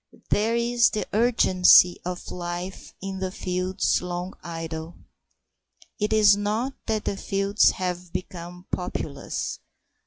There is the urgency of life in fields long idle. It is not that the fields have become populous.